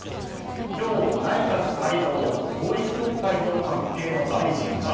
今日、内閣改造統一教会と関係の大臣は？